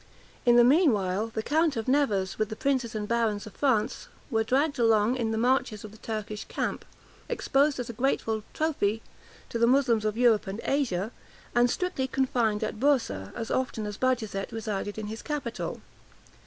In the mean while, the count of Nevers, with the princes and barons of France, were dragged along in the marches of the Turkish camp, exposed as a grateful trophy to the Moslems of Europe and Asia, and strictly confined at Boursa, as often as Bajazet resided in his capital.